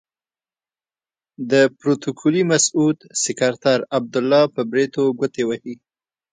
د پروتوکولي مسعود سکرتر عبدالله په بریتو ګوتې وهي.